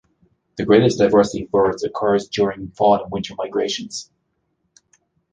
The greatest diversity of birds occurs during fall and winter migrations.